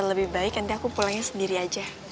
lebih baik nanti aku pulangnya sendiri aja